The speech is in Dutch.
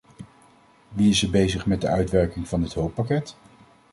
Wie is er bezig met de uitwerking van dit hulppakket?